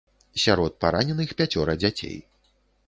Сярод параненых пяцёра дзяцей.